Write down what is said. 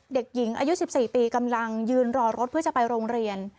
เด็กหญิงอายุ๑๔ปีกำลังยืนรอรถเพื่อจะไปโรงเรียน